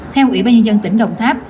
theo ủy ban nhân dân tỉnh đồng tháp